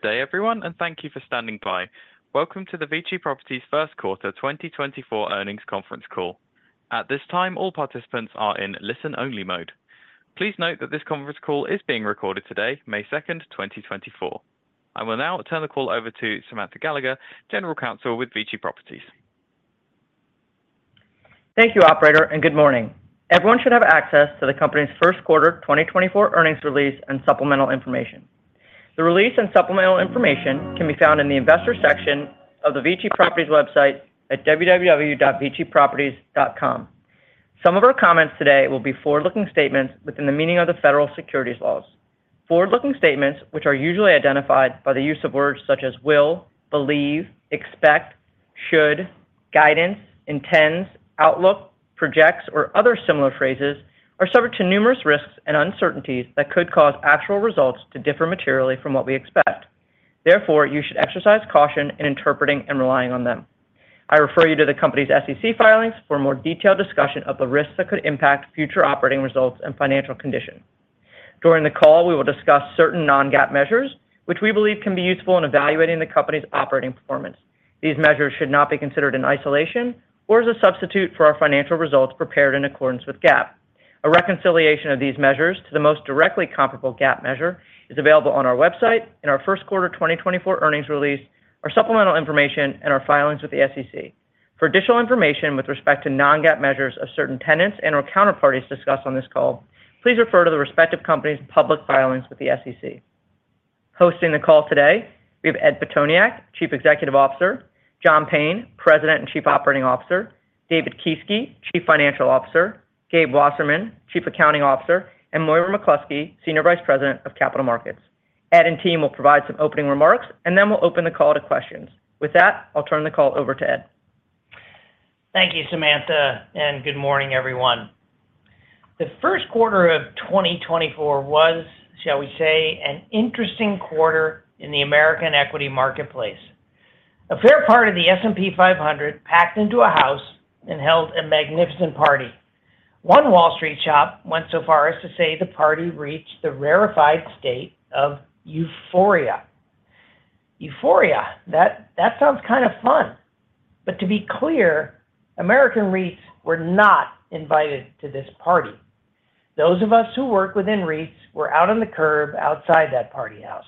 Good day, everyone, and thank you for standing by. Welcome to the VICI Properties first quarter 2024 earnings conference call. At this time, all participants are in listen-only mode. Please note that this conference call is being recorded today, May 2, 2024. I will now turn the call over to Samantha Gallagher, General Counsel with VICI Properties. Thank you, operator, and good morning. Everyone should have access to the company's first quarter 2024 earnings release and supplemental information. The release and supplemental information can be found in the investor section of the VICI Properties website at www.viciproperties.com. Some of our comments today will be forward-looking statements within the meaning of the federal securities laws. Forward-looking statements, which are usually identified by the use of words such as will, believe, expect, should, guidance, intends, outlook, projects, or other similar phrases, are subject to numerous risks and uncertainties that could cause actual results to differ materially from what we expect. Therefore, you should exercise caution in interpreting and relying on them. I refer you to the company's SEC filings for more detailed discussion of the risks that could impact future operating results and financial condition. During the call, we will discuss certain non-GAAP measures, which we believe can be useful in evaluating the company's operating performance. These measures should not be considered in isolation or as a substitute for our financial results prepared in accordance with GAAP. A reconciliation of these measures to the most directly comparable GAAP measure is available on our website in our first quarter 2024 earnings release, our supplemental information, and our filings with the SEC. For additional information with respect to non-GAAP measures of certain tenants and/or counterparties discussed on this call, please refer to the respective company's public filings with the SEC. Hosting the call today, we have Ed Pitoniak, Chief Executive Officer, John Payne, President and Chief Operating Officer, David Kieske, Chief Financial Officer, Gabe Wasserman, Chief Accounting Officer, and Moira McCloskey, Senior Vice President of Capital Markets. Ed and team will provide some opening remarks, and then we'll open the call to questions. With that, I'll turn the call over to Ed. Thank you, Samantha, and good morning, everyone. The first quarter of 2024 was, shall we say, an interesting quarter in the American equity marketplace. A fair part of the S&P 500 packed into a house and held a magnificent party. One Wall Street shop went so far as to say the party reached the rarefied state of euphoria. Euphoria, that, that sounds kind of fun, but to be clear, American REITs were not invited to this party. Those of us who work within REITs were out on the curb outside that party house.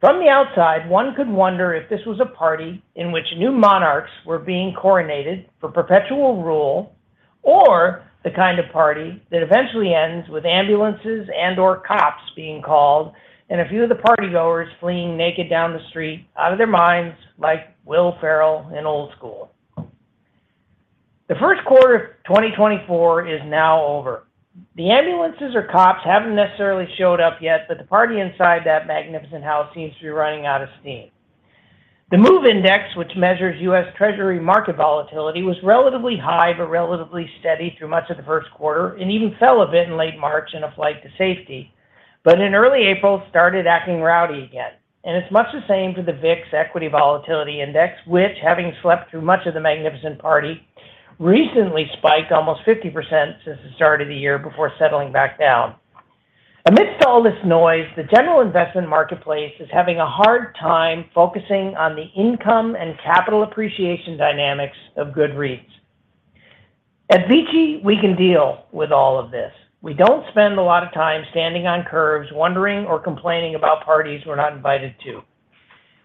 From the outside, one could wonder if this was a party in which new monarchs were being coronated for perpetual rule or the kind of party that eventually ends with ambulances and/or cops being called and a few of the partygoers fleeing naked down the street, out of their minds, like Will Ferrell in Old School. The first quarter of 2024 is now over. The ambulances or cops haven't necessarily showed up yet, but the party inside that magnificent house seems to be running out of steam. The MOVE Index, which measures U.S. Treasury market volatility, was relatively high but relatively steady through much of the first quarter, and even fell a bit in late March in a flight to safety, but in early April, started acting rowdy again. It's much the same to the VIX Equity Volatility Index, which, having slept through much of the magnificent party, recently spiked almost 50% since the start of the year before settling back down. Amidst all this noise, the general investment marketplace is having a hard time focusing on the income and capital appreciation dynamics of good REITs. At VICI, we can deal with all of this. We don't spend a lot of time standing on curves, wondering or complaining about parties we're not invited to.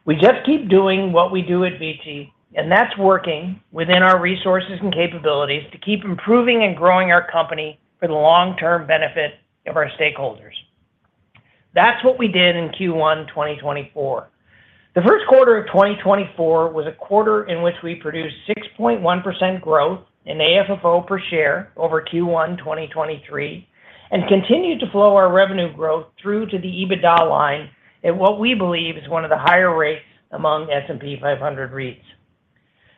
We just keep doing what we do at VICI, and that's working within our resources and capabilities to keep improving and growing our company for the long-term benefit of our stakeholders. That's what we did in Q1 2024. The first quarter of 2024 was a quarter in which we produced 6.1% growth in AFFO per share over Q1 2023, and continued to flow our revenue growth through to the EBITDA line at what we believe is one of the higher rates among S&P 500 REITs.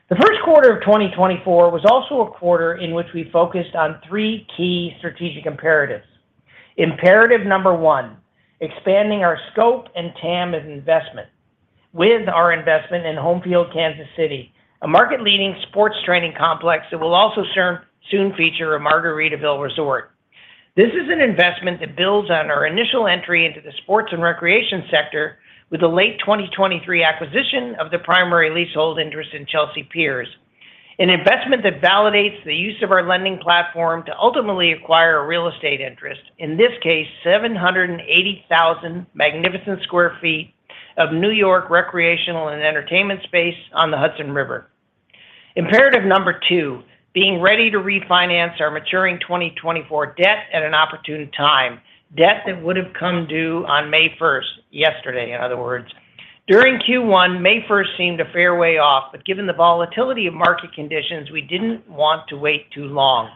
The first quarter of 2024 was also a quarter in which we focused on three key strategic imperatives. Imperative number one, expanding our scope and TAM as investment. With our investment in Homefield Kansas City, a market-leading sports training complex that will also soon feature a Margaritaville resort. This is an investment that builds on our initial entry into the sports and recreation sector with the late 2023 acquisition of the primary leasehold interest in Chelsea Piers, an investment that validates the use of our lending platform to ultimately acquire a real estate interest, in this case, 780,000 magnificent sq ft of New York recreational and entertainment space on the Hudson River. Imperative number two, being ready to refinance our maturing 2024 debt at an opportune time, debt that would have come due on May 1, yesterday, in other words. During Q1, May 1 seemed a fair way off, but given the volatility of market conditions, we didn't want to wait too long.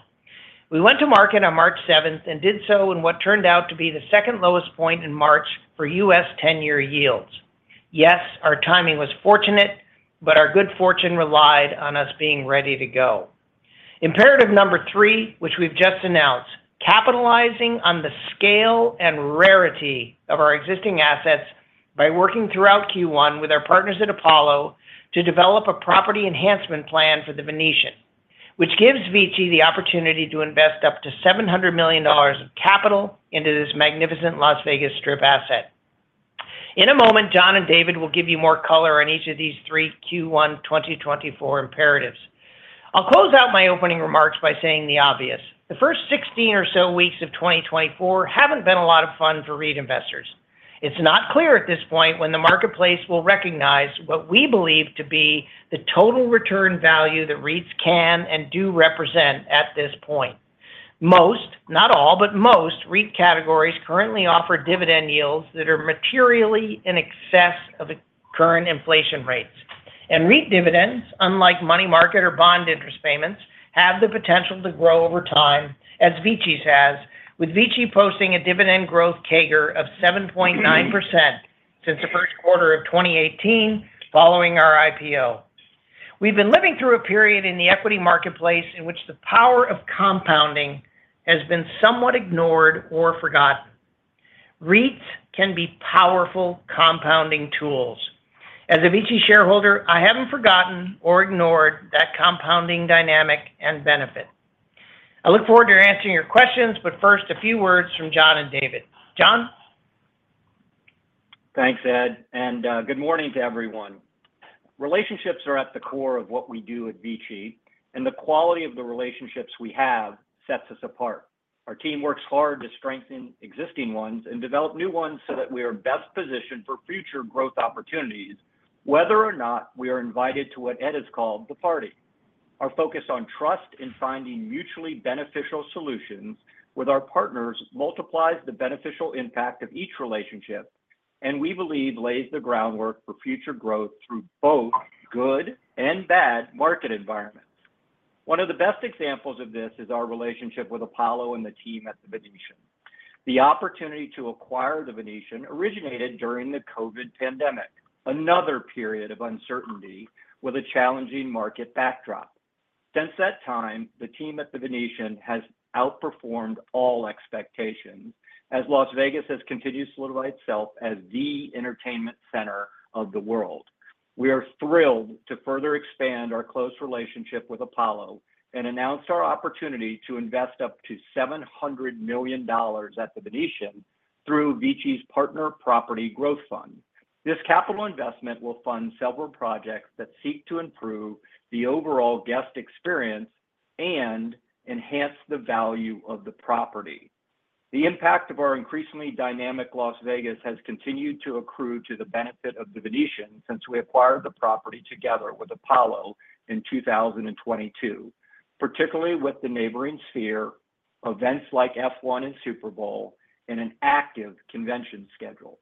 We went to market on March 7 and did so in what turned out to be the second lowest point in March for U.S. 10-year yields. Yes, our timing was fortunate, but our good fortune relied on us being ready to go. Imperative number three, which we've just announced, capitalizing on the scale and rarity of our existing assets by working throughout Q1 with our partners at Apollo to develop a property enhancement plan for The Venetian, which gives VICI the opportunity to invest up to $700 million of capital into this magnificent Las Vegas Strip asset. In a moment, John and David will give you more color on each of these three Q1 2024 imperatives. I'll close out my opening remarks by saying the obvious: the first 16 or so weeks of 2024 haven't been a lot of fun for REIT investors. It's not clear at this point when the marketplace will recognize what we believe to be the total return value that REITs can and do represent at this point. Most, not all, but most REIT categories currently offer dividend yields that are materially in excess of the current inflation rates. REIT dividends, unlike money market or bond interest payments, have the potential to grow over time, as VICI's has, with VICI posting a dividend growth CAGR of 7.9% since the first quarter of 2018, following our IPO. We've been living through a period in the equity marketplace in which the power of compounding has been somewhat ignored or forgotten. REITs can be powerful compounding tools. As a VICI shareholder, I haven't forgotten or ignored that compounding dynamic and benefit. I look forward to answering your questions, but first, a few words from John and David. John? Thanks, Ed, and good morning to everyone. Relationships are at the core of what we do at VICI, and the quality of the relationships we have sets us apart. Our team works hard to strengthen existing ones and develop new ones so that we are best positioned for future growth opportunities, whether or not we are invited to what Ed has called the party. Our focus on trust in finding mutually beneficial solutions with our partners multiplies the beneficial impact of each relationship, and we believe lays the groundwork for future growth through both good and bad market environments. One of the best examples of this is our relationship with Apollo and the team at The Venetian. The opportunity to acquire The Venetian originated during the COVID pandemic, another period of uncertainty with a challenging market backdrop. Since that time, the team at The Venetian has outperformed all expectations, as Las Vegas has continued to solidify itself as the entertainment center of the world. We are thrilled to further expand our close relationship with Apollo and announced our opportunity to invest up to $700 million at The Venetian through VICI's Partner Property Growth Fund. This capital investment will fund several projects that seek to improve the overall guest experience and enhance the value of the property. The impact of our increasingly dynamic Las Vegas has continued to accrue to the benefit of The Venetian since we acquired the property together with Apollo in 2022, particularly with the neighboring Sphere, events like F1 and Super Bowl, and an active convention schedule.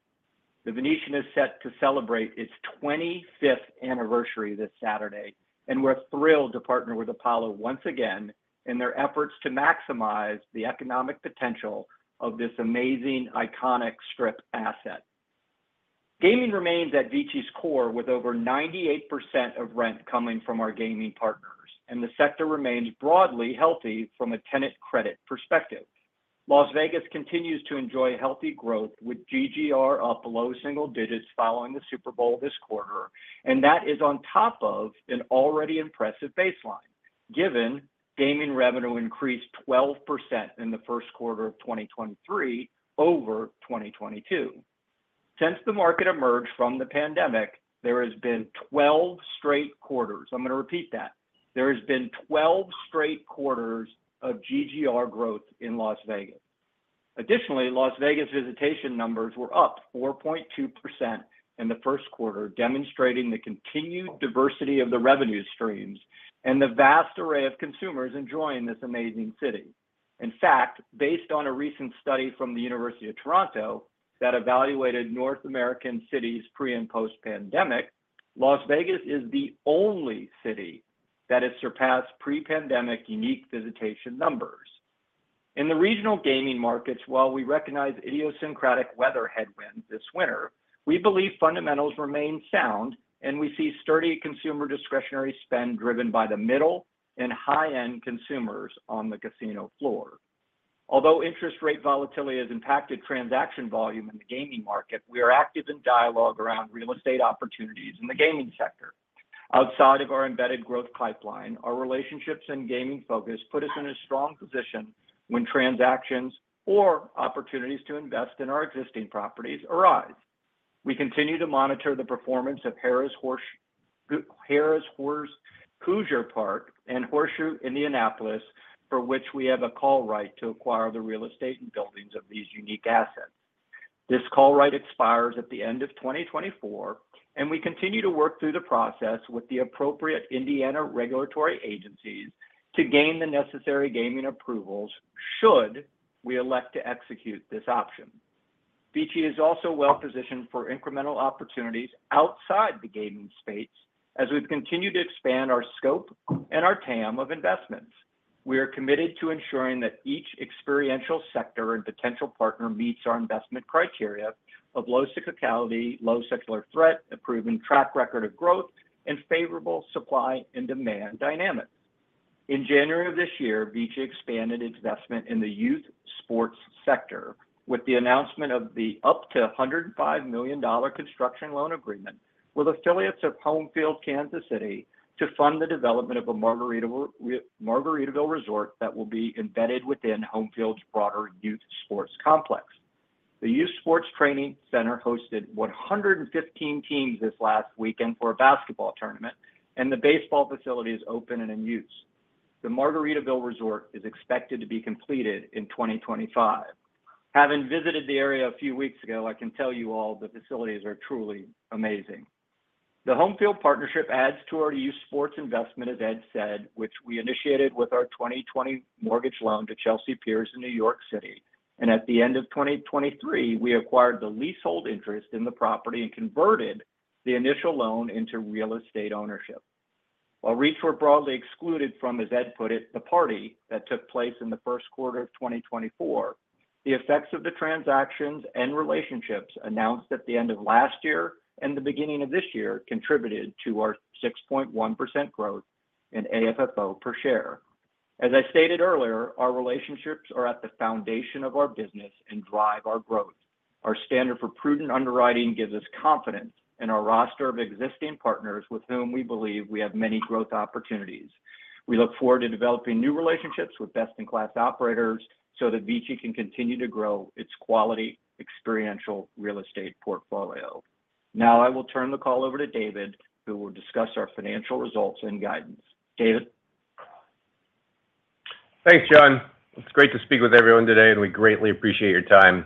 The Venetian is set to celebrate its 25th anniversary this Saturday, and we're thrilled to partner with Apollo once again in their efforts to maximize the economic potential of this amazing iconic Strip asset. Gaming remains at VICI's core, with over 98% of rent coming from our gaming partners, and the sector remains broadly healthy from a tenant credit perspective. Las Vegas continues to enjoy healthy growth, with GGR up low single digits following the Super Bowl this quarter, and that is on top of an already impressive baseline, given gaming revenue increased 12% in the first quarter of 2023 over 2022. Since the market emerged from the pandemic, there has been 12 straight quarters. I'm gonna repeat that. There has been 12 straight quarters of GGR growth in Las Vegas. Additionally, Las Vegas visitation numbers were up 4.2% in the first quarter, demonstrating the continued diversity of the revenue streams and the vast array of consumers enjoying this amazing city. In fact, based on a recent study from the University of Toronto that evaluated North American cities pre- and post-pandemic, Las Vegas is the only city that has surpassed pre-pandemic unique visitation numbers. In the regional gaming markets, while we recognize idiosyncratic weather headwinds this winter, we believe fundamentals remain sound and we see sturdy consumer discretionary spend driven by the middle and high-end consumers on the casino floor. Although interest rate volatility has impacted transaction volume in the gaming market, we are active in dialogue around real estate opportunities in the gaming sector. Outside of our embedded growth pipeline, our relationships and gaming focus put us in a strong position when transactions or opportunities to invest in our existing properties arise. We continue to monitor the performance of Harrah's Hoosier Park and Horseshoe Indianapolis, for which we have a call right to acquire the real estate and buildings of these unique assets. This call right expires at the end of 2024, and we continue to work through the process with the appropriate Indiana regulatory agencies to gain the necessary gaming approvals should we elect to execute this option. VICI is also well-positioned for incremental opportunities outside the gaming space as we've continued to expand our scope and our TAM of investments. We are committed to ensuring that each experiential sector and potential partner meets our investment criteria of low cyclicality, low secular threat, a proven track record of growth, and favorable supply and demand dynamics. In January of this year, VICI expanded investment in the youth sports sector, with the announcement of the up to $105 million construction loan agreement, with affiliates of Homefield Kansas City, to fund the development of a Margaritaville resort that will be embedded within Homefield's broader youth sports complex. The youth sports training center hosted 115 teams this last weekend for a basketball tournament, and the baseball facility is open and in use. The Margaritaville resort is expected to be completed in 2025. Having visited the area a few weeks ago, I can tell you all the facilities are truly amazing. The Homefield partnership adds to our youth sports investment, as Ed said, which we initiated with our 2020 mortgage loan to Chelsea Piers in New York City. At the end of 2023, we acquired the leasehold interest in the property and converted the initial loan into real estate ownership. While REITs were broadly excluded from, as Ed put it, the party that took place in the first quarter of 2024, the effects of the transactions and relationships announced at the end of last year and the beginning of this year contributed to our 6.1% growth in AFFO per share. As I stated earlier, our relationships are at the foundation of our business and drive our growth. Our standard for prudent underwriting gives us confidence in our roster of existing partners with whom we believe we have many growth opportunities. We look forward to developing new relationships with best-in-class operators, so that VICI can continue to grow its quality, experiential real estate portfolio. Now I will turn the call over to David, who will discuss our financial results and guidance. David? Thanks, John. It's great to speak with everyone today, and we greatly appreciate your time.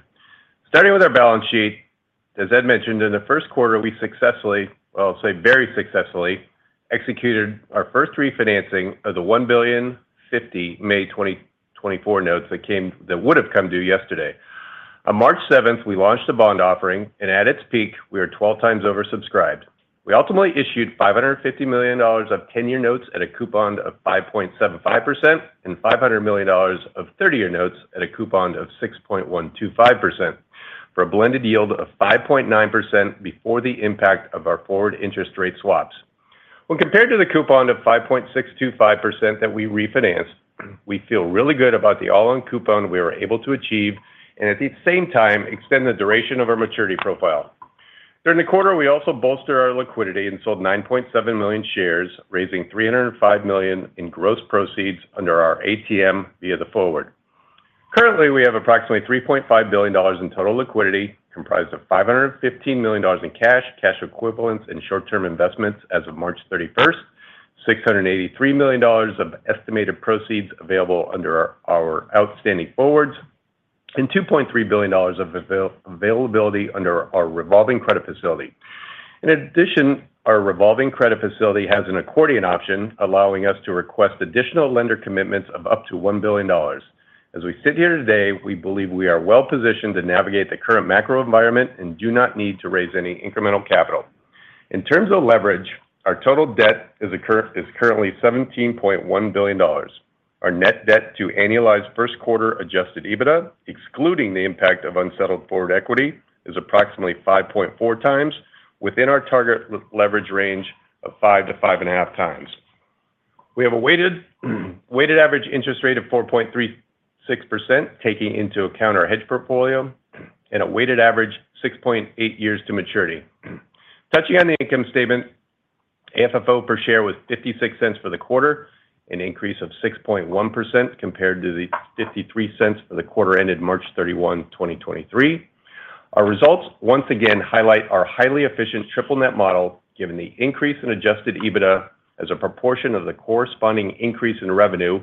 Starting with our balance sheet, as Ed mentioned, in the first quarter, we successfully, well, say very successfully, executed our first refinancing of the $1.05 billion May 2024 notes that would have come due yesterday. On March 7, we launched a bond offering, and at its peak, we were 12 times oversubscribed. We ultimately issued $550 million of 10-year notes at a coupon of 5.75% and $500 million of 30-year notes at a coupon of 6.125%, for a blended yield of 5.9% before the impact of our forward interest rate swaps. When compared to the coupon of 5.625% that we refinanced, we feel really good about the all-in coupon we were able to achieve, and at the same time, extend the duration of our maturity profile. During the quarter, we also bolstered our liquidity and sold 9.7 million shares, raising $305 million in gross proceeds under our ATM via the forward. Currently, we have approximately $3.5 billion in total liquidity, comprised of $515 million in cash, cash equivalents, and short-term investments as of March 31, $683 million of estimated proceeds available under our outstanding forwards, and $2.3 billion of availability under our revolving credit facility. In addition, our revolving credit facility has an accordion option, allowing us to request additional lender commitments of up to $1 billion. As we sit here today, we believe we are well positioned to navigate the current macro environment and do not need to raise any incremental capital. In terms of leverage, our total debt is currently $17.1 billion. Our net debt to annualized first quarter adjusted EBITDA, excluding the impact of unsettled forward equity, is approximately 5.4x within our target leverage range of 5x to 5.5x. We have a weighted average interest rate of 4.36%, taking into account our hedge portfolio, and a weighted average 6.8 years to maturity. Touching on the income statement, AFFO per share was $0.56 for the quarter, an increase of 6.1% compared to the $0.53 for the quarter ended March 31, 2023. Our results once again highlight our highly efficient triple net model, given the increase in adjusted EBITDA as a proportion of the corresponding increase in revenue,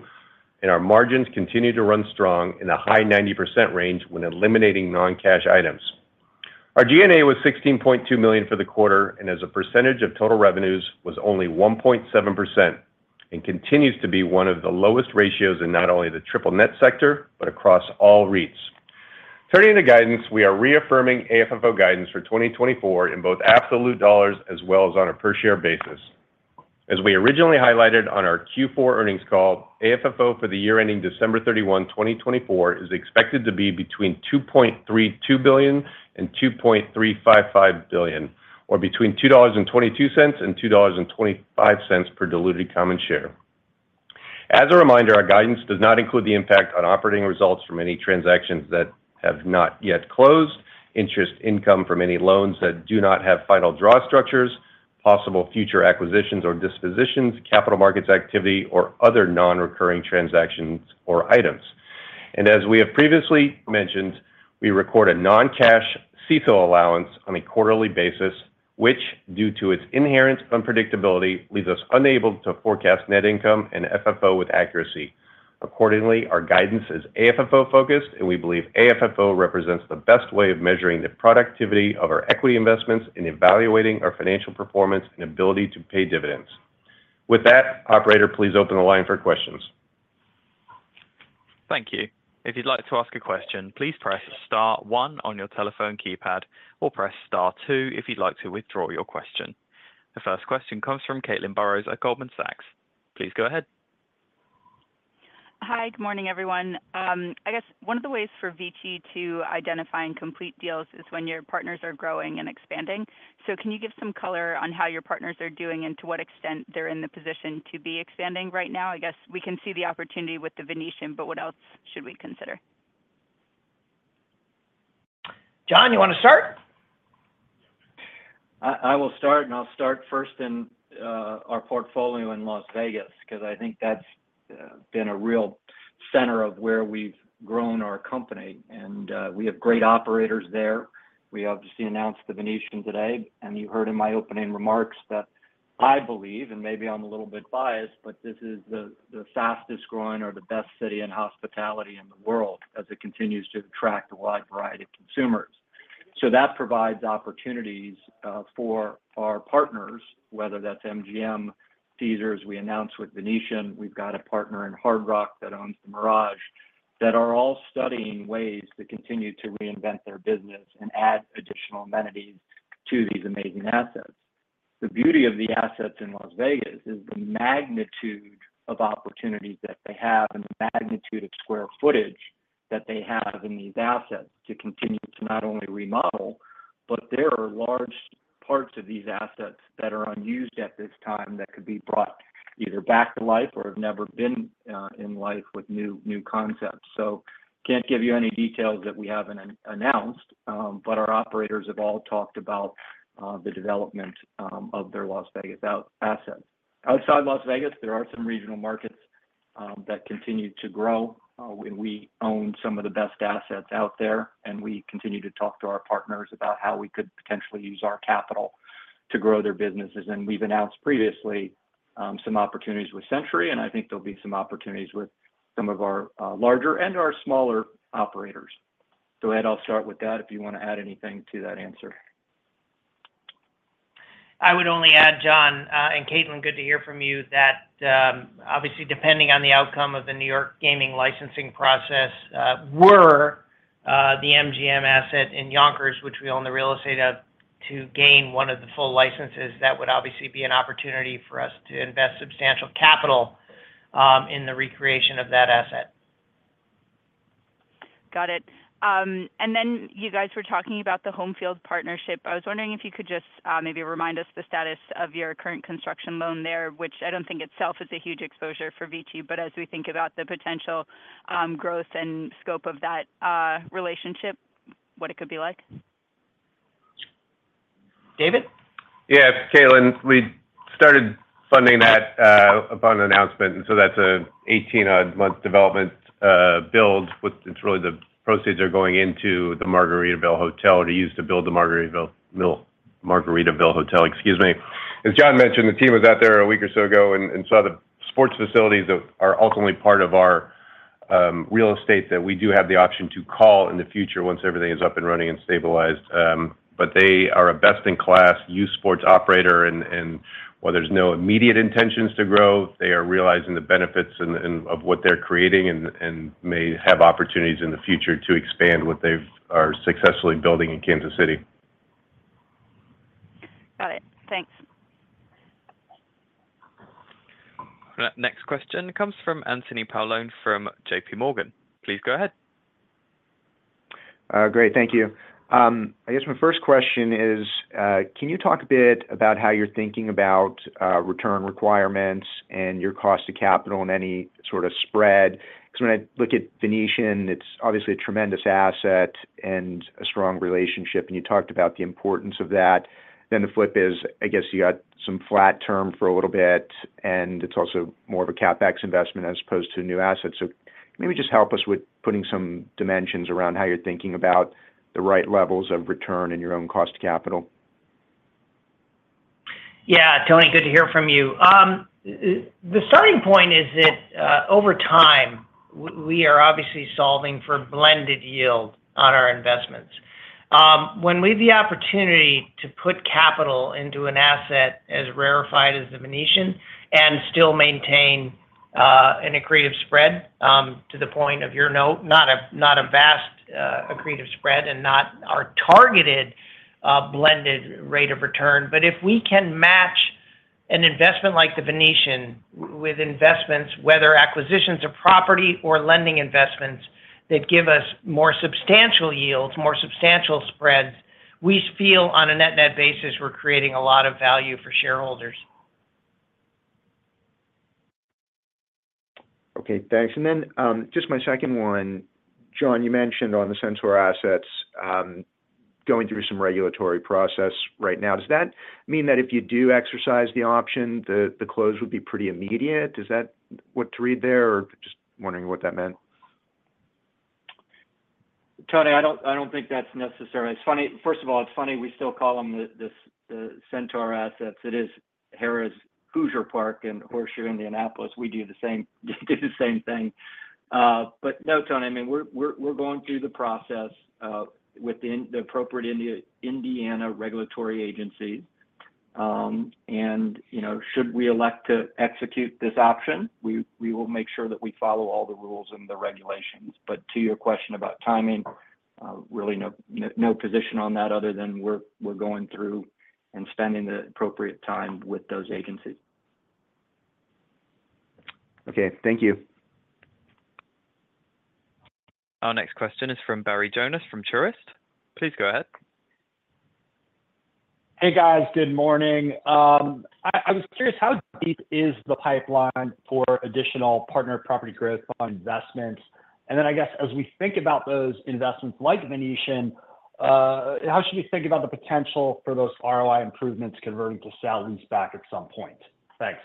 and our margins continue to run strong in a high 90% range when eliminating non-cash items. Our G&A was $16.2 million for the quarter, and as a percentage of total revenues, was only 1.7%, and continues to be one of the lowest ratios in not only the triple net sector, but across all REITs. Turning to guidance, we are reaffirming AFFO guidance for 2024 in both absolute dollars as well as on a per share basis. As we originally highlighted on our Q4 earnings call, AFFO for the year ending December 31, 2024, is expected to be between $2.32 billion and $2.355 billion, or between $2.22 and $2.25 per diluted common share. As a reminder, our guidance does not include the impact on operating results from any transactions that have not yet closed, interest income from any loans that do not have final draw structures, possible future acquisitions or dispositions, capital markets activity, or other non-recurring transactions or items. As we have previously mentioned, we record a non-cash CECL allowance on a quarterly basis, which, due to its inherent unpredictability, leaves us unable to forecast net income and FFO with accuracy. Accordingly, our guidance is AFFO focused, and we believe AFFO represents the best way of measuring the productivity of our equity investments in evaluating our financial performance and ability to pay dividends. With that, operator, please open the line for questions. Thank you. If you'd like to ask a question, please press star one on your telephone keypad, or press star two if you'd like to withdraw your question. The first question comes from Caitlin Burrows at Goldman Sachs. Please go ahead. ... Hi, good morning, everyone. I guess one of the ways for VICI to identify and complete deals is when your partners are growing and expanding. So can you give some color on how your partners are doing and to what extent they're in the position to be expanding right now? I guess we can see the opportunity with the Venetian, but what else should we consider? John, you wanna start? I will start, and I'll start first in our portfolio in Las Vegas, 'cause I think that's been a real center of where we've grown our company, and we have great operators there. We obviously announced the Venetian today, and you heard in my opening remarks that I believe, and maybe I'm a little bit biased, but this is the fastest growing or the best city in hospitality in the world, as it continues to attract a wide variety of consumers. So that provides opportunities for our partners, whether that's MGM, Caesars, we announced with Venetian. We've got a partner in Hard Rock that owns the Mirage, that are all studying ways to continue to reinvent their business and add additional amenities to these amazing assets. The beauty of the assets in Las Vegas is the magnitude of opportunities that they have and the magnitude of square footage that they have in these assets to continue to not only remodel, but there are large parts of these assets that are unused at this time that could be brought either back to life or have never been in life with new concepts. So can't give you any details that we haven't announced, but our operators have all talked about the development of their Las Vegas assets. Outside Las Vegas, there are some regional markets that continue to grow, and we own some of the best assets out there, and we continue to talk to our partners about how we could potentially use our capital to grow their businesses. We've announced previously some opportunities with Century, and I think there'll be some opportunities with some of our larger and our smaller operators. So Ed, I'll start with that, if you wanna add anything to that answer. I would only add, John, and Caitlin, good to hear from you, that obviously, depending on the outcome of the New York gaming licensing process, the MGM asset in Yonkers, which we own the real estate of, to gain one of the full licenses, that would obviously be an opportunity for us to invest substantial capital in the recreation of that asset. Got it. And then you guys were talking about the Homefield partnership. I was wondering if you could just maybe remind us the status of your current construction loan there, which I don't think itself is a huge exposure for VICI, but as we think about the potential growth and scope of that relationship, what it could be like? David? Yeah, Caitlin, we started funding that upon announcement, and so that's an 18-odd month development build. It's really the proceeds are going into the Margaritaville Hotel to use to build the Margaritaville Hotel, excuse me. As John mentioned, the team was out there a week or so ago and saw the sports facilities that are ultimately part of our real estate, that we do have the option to call in the future once everything is up and running and stabilized. But they are a best-in-class youth sports operator, and while there's no immediate intentions to grow, they are realizing the benefits and of what they're creating and may have opportunities in the future to expand what they are successfully building in Kansas City. Got it. Thanks. Next question comes from Anthony Paolone, from JPMorgan. Please go ahead. Great, thank you. I guess my first question is, can you talk a bit about how you're thinking about return requirements and your cost to capital and any sort of spread? 'Cause when I look at Venetian, it's obviously a tremendous asset and a strong relationship, and you talked about the importance of that. Then the flip is, I guess you got some flat term for a little bit, and it's also more of a CapEx investment as opposed to new assets. So maybe just help us with putting some dimensions around how you're thinking about the right levels of return and your own cost to capital. Yeah, Tony, good to hear from you. The starting point is that, over time, we are obviously solving for blended yield on our investments. When we have the opportunity to put capital into an asset as rarefied as the Venetian and still maintain an accretive spread, to the point of your note, not a vast accretive spread and not our targeted blended rate of return. But if we can match an investment like the Venetian with investments, whether acquisitions of property or lending investments, that give us more substantial yields, more substantial spreads, we feel, on a net-net basis, we're creating a lot of value for shareholders. Okay, thanks. And then, just my second one: John, you mentioned on the Centaur assets, going through some regulatory process right now. Does that mean that if you do exercise the option, the close would be pretty immediate? Is that what to read there, or just wondering what that meant? Tony, I don't think that's necessarily... It's funny. First of all, it's funny, we still call them the Centaur assets. It is Harrah's Hoosier Park and Horseshoe Indianapolis. We do the same thing. But no, Tony, I mean, we're going through the process within the appropriate Indiana regulatory agencies. And, you know, should we elect to execute this option, we will make sure that we follow all the rules and the regulations. But to your question about timing... really, no position on that other than we're going through and spending the appropriate time with those agencies. Okay, thank you. Our next question is from Barry Jonas from Truist. Please go ahead. Hey, guys. Good morning. I was curious, how deep is the pipeline for additional partner property growth on investments? And then I guess, as we think about those investments like Venetian, how should we think about the potential for those ROI improvements converting to sale-leaseback at some point? Thanks.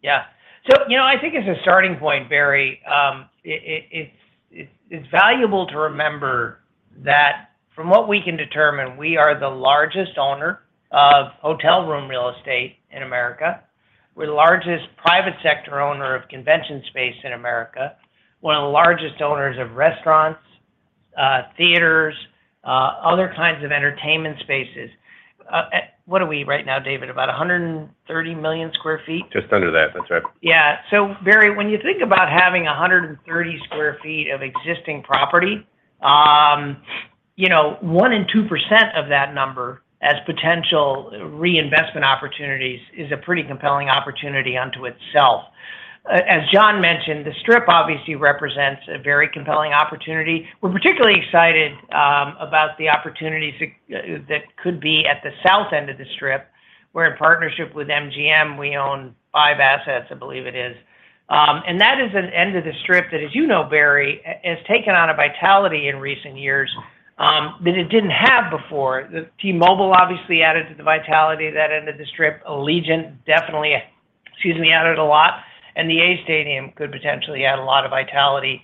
Yeah. So, you know, I think as a starting point, Barry, it's valuable to remember that from what we can determine, we are the largest owner of hotel room real estate in America. We're the largest private sector owner of convention space in America, one of the largest owners of restaurants, theaters, other kinds of entertainment spaces. What are we right now, David? About 130 million sq ft? Just under that. That's right. Yeah. So Barry, when you think about having 130 million sq ft of existing property, you know, 1%-2% of that number as potential reinvestment opportunities is a pretty compelling opportunity unto itself. As John mentioned, the Strip obviously represents a very compelling opportunity. We're particularly excited about the opportunities that could be at the south end of the Strip, where in partnership with MGM, we own five assets, I believe it is. And that is an end of the Strip that, as you know, Barry, has taken on a vitality in recent years that it didn't have before. The T-Mobile obviously added to the vitality of that end of the Strip. Allegiant definitely, excuse me, added a lot, and the Allegiant Stadium could potentially add a lot of vitality.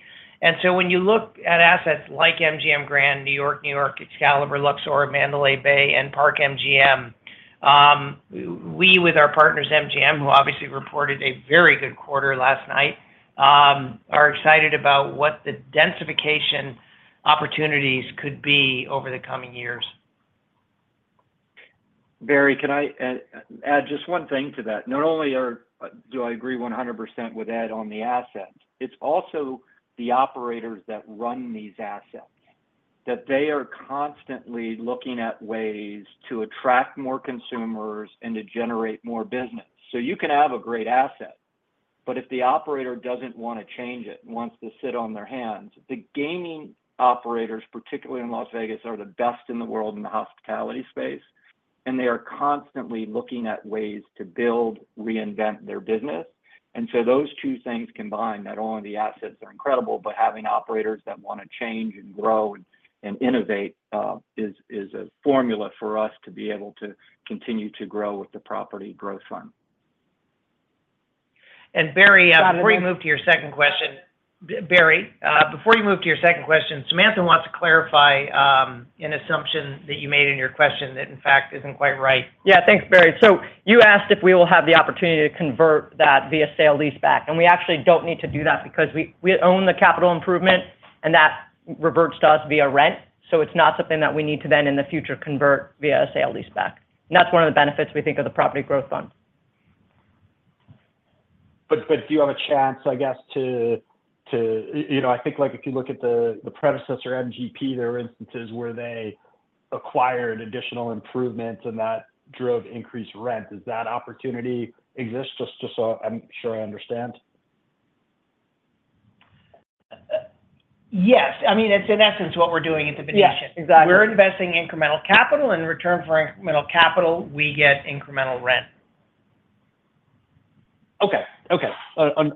So when you look at assets like MGM Grand, New York-New York, Excalibur, Luxor, Mandalay Bay, and Park MGM, we, with our partners, MGM, who obviously reported a very good quarter last night, are excited about what the densification opportunities could be over the coming years. Barry, can I add just one thing to that? Not only do I agree 100% with Ed on the asset, it's also the operators that run these assets, that they are constantly looking at ways to attract more consumers and to generate more business. So you can have a great asset, but if the operator doesn't want to change it, wants to sit on their hands, the gaming operators, particularly in Las Vegas, are the best in the world in the hospitality space, and they are constantly looking at ways to build, reinvent their business. And so those two things combined, not only the assets are incredible, but having operators that want to change and grow and innovate is a formula for us to be able to continue to grow with the property growth fund. Barry, before you move to your second question... Barry, before you move to your second question, Samantha wants to clarify an assumption that you made in your question that, in fact, isn't quite right. Yeah. Thanks, Barry. So you asked if we will have the opportunity to convert that via sale-leaseback, and we actually don't need to do that because we, we own the capital improvement, and that reverts to us via rent. So it's not something that we need to then, in the future, convert via a sale-leaseback. And that's one of the benefits we think of the property growth fund. But do you have a chance, I guess, to... You know, I think, like, if you look at the predecessor, MGP, there were instances where they acquired additional improvements and that drove increased rent. Does that opportunity exist? Just so I'm sure I understand. Yes. I mean, it's in essence what we're doing into Venetian. Yeah, exactly. We're investing incremental capital, in return for incremental capital, we get incremental rent. Okay. Okay,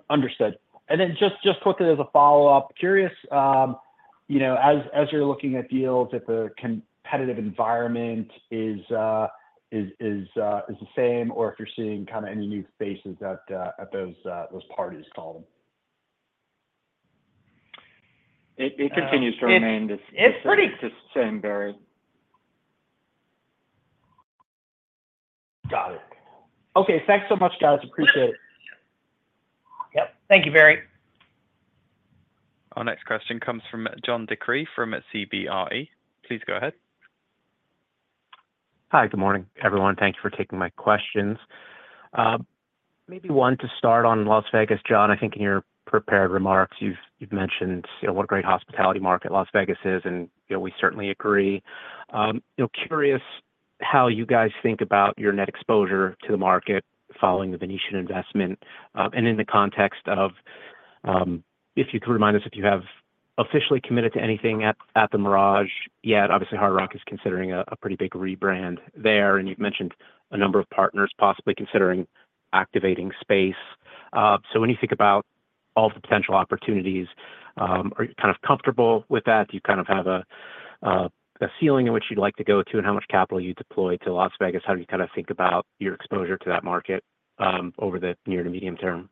understood. And then just quickly as a follow-up, curious, you know, as you're looking at deals, if the competitive environment is the same, or if you're seeing kinda any new faces at those parties, call 'em? It continues to remain the same- It's pretty- the same, Barry. Got it. Okay, thanks so much, guys. Appreciate it. Yep. Thank you, Barry. Our next question comes from John DeCree from CBRE. Please go ahead. Hi, good morning, everyone. Thank you for taking my questions. Maybe one to start on Las Vegas, John. I think in your prepared remarks, you've mentioned, you know, what a great hospitality market Las Vegas is, and, you know, we certainly agree. Curious how you guys think about your net exposure to the market following the Venetian investment, and in the context of, if you could remind us if you have officially committed to anything at the Mirage yet. Obviously, Hard Rock is considering a pretty big rebrand there, and you've mentioned a number of partners possibly considering activating space. So when you think about all the potential opportunities, are you kind of comfortable with that? Do you kinda have a ceiling in which you'd like to go to and how much capital you deploy to Las Vegas? How do you kinda think about your exposure to that market, over the near to medium term?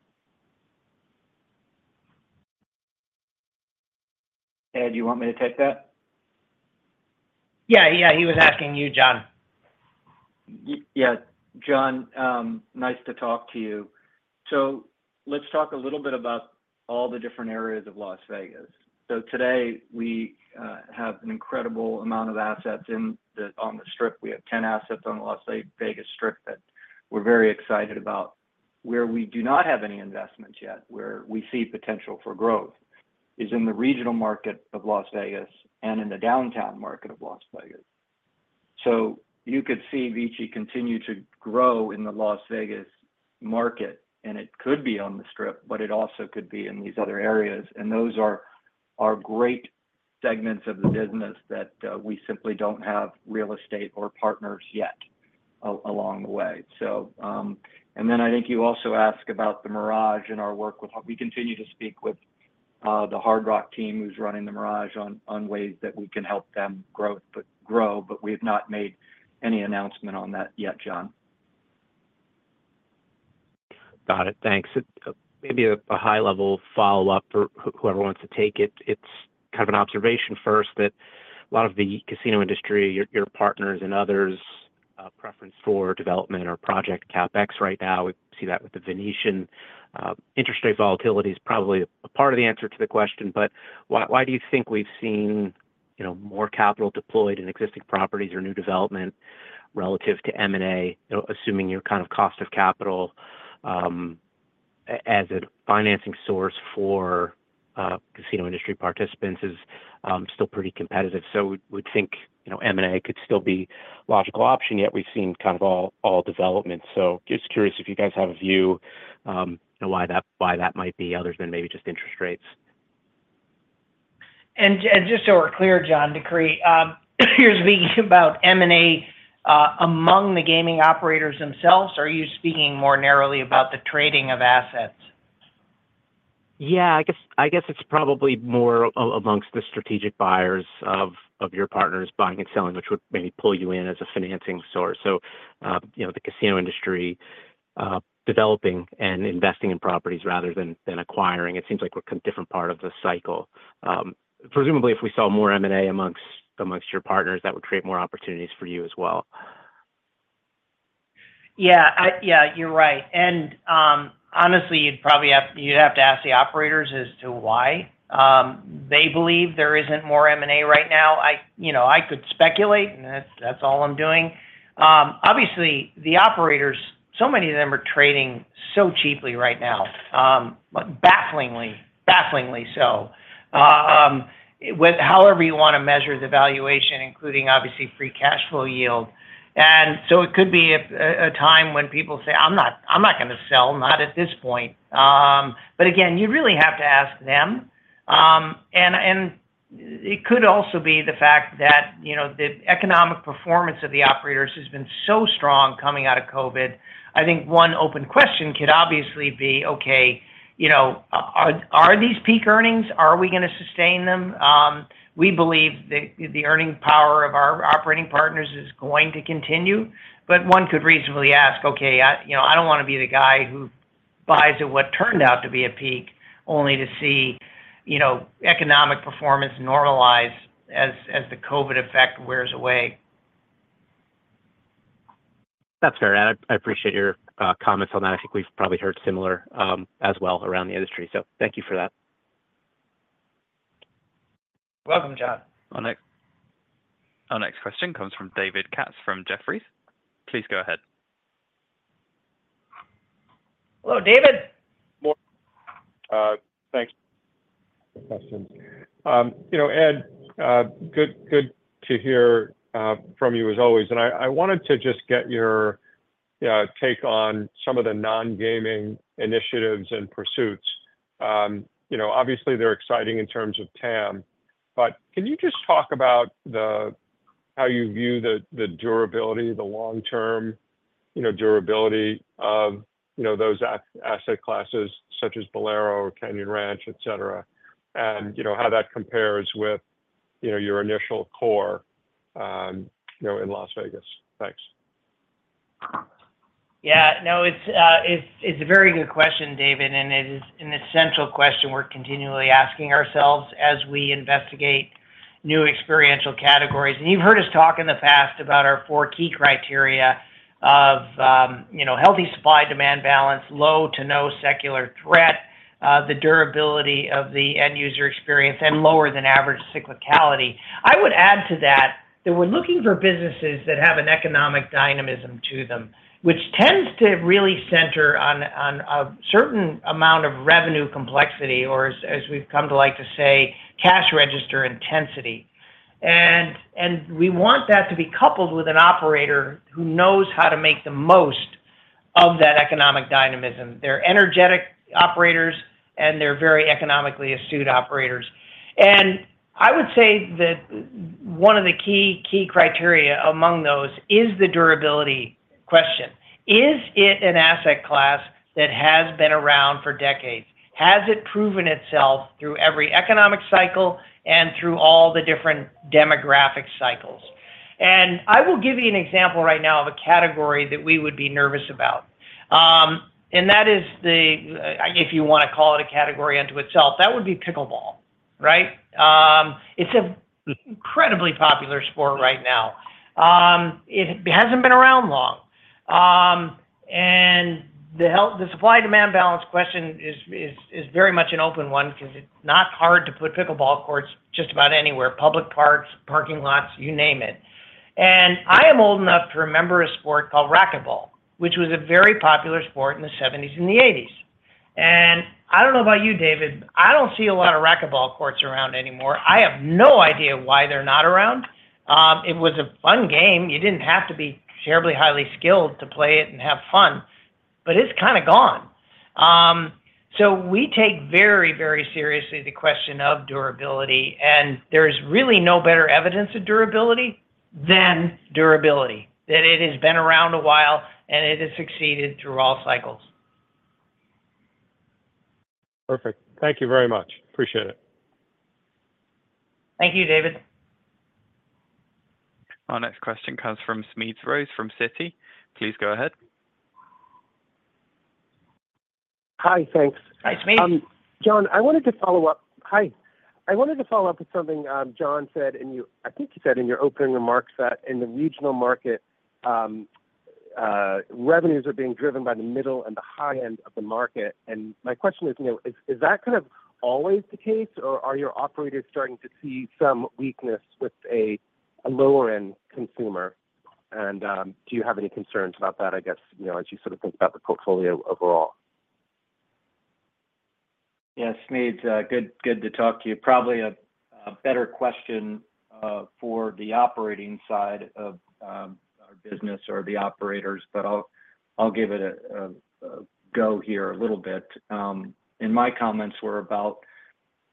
Ed, do you want me to take that? Yeah, yeah, he was asking you, John. Yeah. John, nice to talk to you. So let's talk a little bit about all the different areas of Las Vegas. So today, we have an incredible amount of assets on the Strip. We have 10 assets on the Las Vegas Strip that we're very excited about, where we do not have any investments yet, where we see potential for growth, is in the regional market of Las Vegas and in the downtown market of Las Vegas. So you could see VICI continue to grow in the Las Vegas market, and it could be on the Strip, but it also could be in these other areas, and those are great segments of the business that we simply don't have real estate or partners yet along the way. So, and then I think you also asked about The Mirage and our work with Hard Rock. We continue to speak with the Hard Rock team, who's running The Mirage, on ways that we can help them grow, but we've not made any announcement on that yet, John. Got it. Thanks. Maybe a high-level follow-up for whoever wants to take it. It's kind of an observation first that a lot of the casino industry, your, your partners and others, preference for development or project CapEx right now, we see that with the Venetian. Interest rate volatility is probably a part of the answer to the question, but why, why do you think we've seen, you know, more capital deployed in existing properties or new development relative to M&A, assuming your kind of cost of capital, as a financing source for, casino industry participants is, still pretty competitive? So would think, you know, M&A could still be a logical option, yet we've seen kind of all development. So just curious if you guys have a view, why that, why that might be, other than maybe just interest rates. Just so we're clear, John DeCree, you're speaking about M&A among the gaming operators themselves, or are you speaking more narrowly about the trading of assets? Yeah, I guess, I guess it's probably more amongst the strategic buyers of your partners buying and selling, which would maybe pull you in as a financing source. So, you know, the casino industry developing and investing in properties rather than acquiring. It seems like we're in a different part of the cycle. Presumably, if we saw more M&A amongst your partners, that would create more opportunities for you as well. Yeah, yeah, you're right. And, honestly, you'd probably have to ask the operators as to why. They believe there isn't more M&A right now. I, you know, I could speculate, and that's all I'm doing. Obviously, the operators, so many of them are trading so cheaply right now, but bafflingly so. With however you want to measure the valuation, including, obviously, free cash flow yield. And so it could be a time when people say, "I'm not going to sell, not at this point." But again, you really have to ask them. And it could also be the fact that, you know, the economic performance of the operators has been so strong coming out of COVID. I think one open question could obviously be, okay, you know, are these peak earnings? Are we going to sustain them? We believe that the earning power of our operating partners is going to continue, but one could reasonably ask, okay, you know, I don't want to be the guy who buys at what turned out to be a peak, only to see, you know, economic performance normalize as the COVID effect wears away. That's fair. And I, I appreciate your comments on that. I think we've probably heard similar as well around the industry, so thank you for that. Welcome, John. Our next question comes from David Katz, from Jefferies. Please go ahead. Hello, David. Good morning. Thanks for the questions. You know, Ed, good to hear from you as always. And I wanted to just get your take on some of the non-gaming initiatives and pursuits. You know, obviously, they're exciting in terms of TAM, but can you just talk about how you view the durability, the long-term durability of, you know, those asset classes, such as Bowlero or Canyon Ranch, et cetera, and, you know, how that compares with, you know, your initial core, you know, in Las Vegas? Thanks. Yeah. No, it's, it's a very good question, David, and it is an essential question we're continually asking ourselves as we investigate new experiential categories. And you've heard us talk in the past about our four key criteria of, you know, healthy supply-demand balance, low to no secular threat, the durability of the end-user experience, and lower than average cyclicality. I would add to that, that we're looking for businesses that have an economic dynamism to them, which tends to really center on a certain amount of revenue complexity, or as we've come to like to say, cash register intensity. And we want that to be coupled with an operator who knows how to make the most of that economic dynamism. They're energetic operators, and they're very economically astute operators. I would say that one of the key, key criteria among those is the durability question. Is it an asset class that has been around for decades? Has it proven itself through every economic cycle and through all the different demographic cycles? And I will give you an example right now of a category that we would be nervous about. And that is the, if you want to call it a category unto itself, that would be pickleball, right? It's an incredibly popular sport right now. And the supply-demand balance question is very much an open one because it's not hard to put pickleball courts just about anywhere, public parks, parking lots, you name it.... I am old enough to remember a sport called racquetball, which was a very popular sport in the '70s and the '80s. I don't know about you, David, I don't see a lot of racquetball courts around anymore. I have no idea why they're not around. It was a fun game. You didn't have to be terribly highly skilled to play it and have fun, but it's kind of gone. So we take very, very seriously the question of durability, and there's really no better evidence of durability than durability, that it has been around a while, and it has succeeded through all cycles. Perfect. Thank you very much. Appreciate it. Thank you, David. Our next question comes from Smedes Rose from Citi. Please go ahead. Hi, thanks. Hi, Smedes. John, I wanted to follow up with something John said, and you, I think you said in your opening remarks that in the regional market, revenues are being driven by the middle and the high end of the market. And my question is, you know, is that kind of always the case, or are your operators starting to see some weakness with a lower-end consumer? And, do you have any concerns about that, I guess, you know, as you sort of think about the portfolio overall? Yes, Smedes, good to talk to you. Probably a better question for the operating side of our business or the operators, but I'll give it a go here a little bit. And my comments were about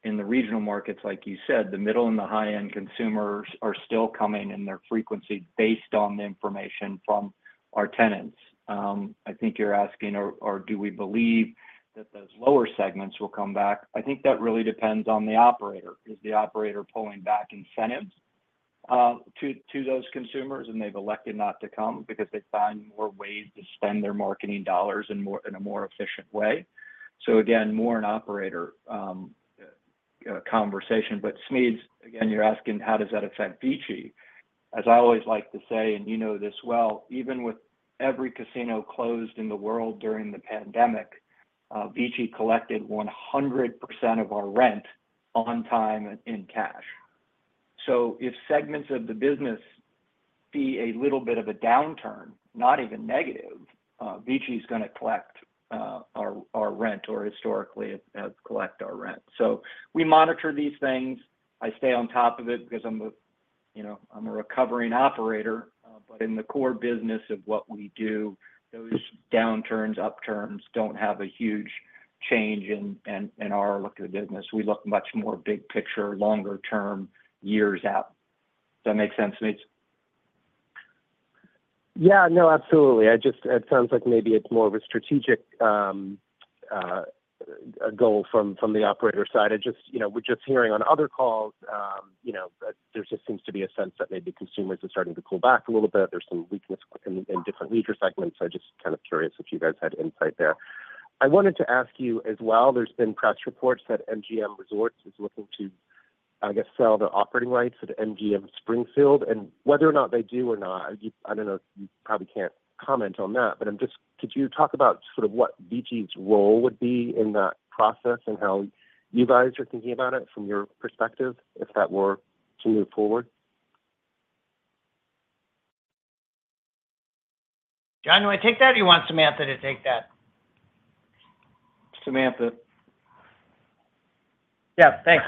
in the regional markets, like you said, the middle and the high-end consumers are still coming in their frequency based on the information from our tenants. I think you're asking, or do we believe that those lower segments will come back? I think that really depends on the operator. Is the operator pulling back incentives to those consumers, and they've elected not to come because they find more ways to spend their marketing dollars in a more efficient way? So again, more an operator conversation. But Smedes, again, you're asking, how does that affect VICI? As I always like to say, and you know this well, even with every casino closed in the world during the pandemic, VICI collected 100% of our rent on time and in cash. So if segments of the business see a little bit of a downturn, not even negative, VICI is gonna collect our rent or historically has collected our rent. So we monitor these things. I stay on top of it because I'm a, you know, I'm a recovering operator. But in the core business of what we do, those downturns, upturns, don't have a huge change in our look of the business. We look much more big picture, longer term, years out. Does that make sense, Smedes? Yeah, no, absolutely. I just it sounds like maybe it's more of a strategic a goal from the operator side. I just, you know, we're just hearing on other calls, you know, that there just seems to be a sense that maybe consumers are starting to pull back a little bit. There's some weakness in different leisure segments. So just kind of curious if you guys had insight there. I wanted to ask you as well. There's been press reports that MGM Resorts is looking to, I guess, sell their operating rights at MGM Springfield. Whether or not they do or not, you—I don't know, you probably can't comment on that, but I'm just—could you talk about sort of what VICI's role would be in that process, and how you guys are thinking about it from your perspective, if that were to move forward? John, you want to take that, or you want Samantha to take that? Samantha. Yeah, thanks.